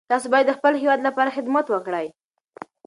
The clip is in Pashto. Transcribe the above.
تاسو باید د خپل هیواد لپاره خدمت وکړئ.